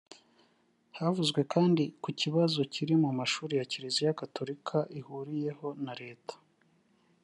Havuzwe kandi ku kibazo kiri mu mashuri ya Kiliziya Gatolika ihuriyeho na Leta